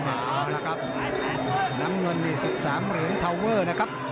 เอาละครับน้ำเงินนี่๑๓เหรียญทาวเวอร์นะครับ